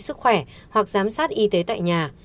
sức khỏe hoặc giám sát y tế tại nhà